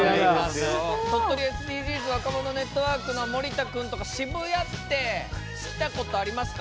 とっとりＳＤＧｓ若者ネットワークの森田君とか渋谷って来たことありますか？